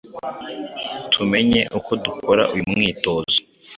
Tumenye uko dukora uyu mwitozo